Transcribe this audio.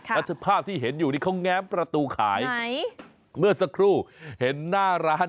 แล้วภาพที่เห็นอยู่นี่เขาแง้มประตูขายเมื่อสักครู่เห็นหน้าร้าน